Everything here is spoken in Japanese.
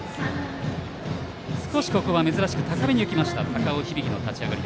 少しここは珍しく高めに浮いた高尾響の立ち上がり。